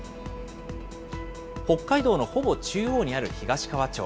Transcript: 北海道のほぼ中央にある東川町。